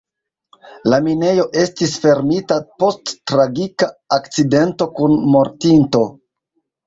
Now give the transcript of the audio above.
La minejo estis fermita post tragika akcidento kun mortinto.